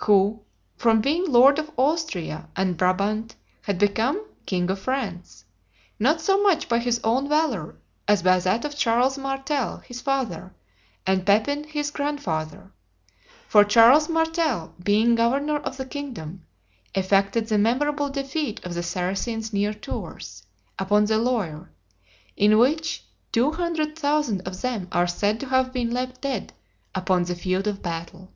who, from being lord of Austria and Brabant, had become king of France; not so much by his own valor as by that of Charles Martel, his father, and Pepin his grandfather; for Charles Martel, being governor of the kingdom, effected the memorable defeat of the Saracens near Tours, upon the Loire, in which two hundred thousand of them are said to have been left dead upon the field of battle.